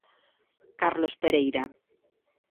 Carlos Pereira.